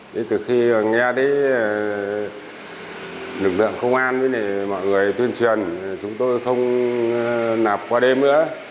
thế từ khi nghe thấy lực lượng công an với mọi người tuyên truyền chúng tôi không nạp qua đêm nữa